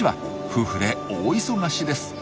夫婦で大忙しです。